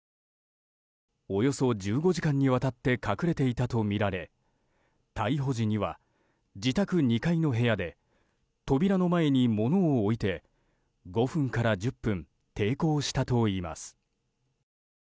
およそ１５時間にわたって隠れていたとみられ逮捕時には自宅２階の部屋で扉の前に物を置いて５分から１０分抵抗したといいます。